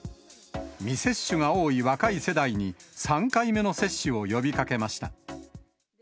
未接種が多い若い世代に、３回目の接種を呼びかけました。